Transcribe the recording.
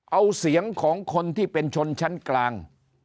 เอาเสียงของคนที่เป็นชนชั้นกลาง